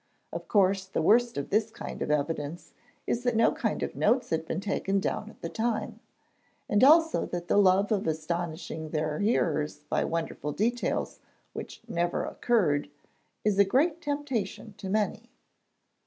Of course, the worst of this kind of evidence is that no kind of notes had been taken down at the time, and also that the love of astonishing their hearers by wonderful details which never occurred is a great temptation to many.